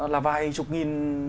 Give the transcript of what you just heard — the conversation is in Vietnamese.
là vài chục nghìn